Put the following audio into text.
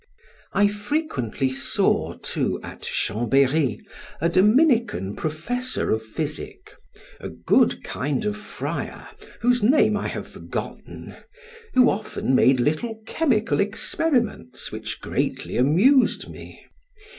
I frequently saw too, at Chambery, a Dominican professor of physic, a good kind of friar, whose name I have forgotten, who often made little chemical experiments which greatly amused me.